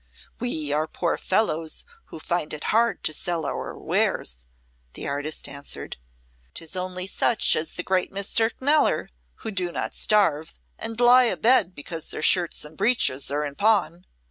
"We are poor fellows who find it hard to sell our wares," the artist answered. "'Tis only such as the great Mr. Kneller who do not starve, and lie abed because their shirts and breeches are in pawn.